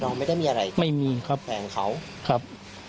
ไม่ได้มีอะไรไม่มีครับแฟนเขาครับ